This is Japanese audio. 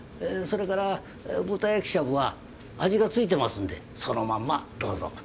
えそれから豚やきしゃぶは味がついてますんでそのまんまどうぞ。